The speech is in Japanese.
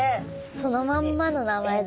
そのまんまの名前だ。